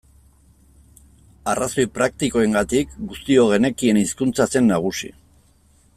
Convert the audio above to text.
Arrazoi praktikoengatik guztiok genekien hizkuntza zen nagusi.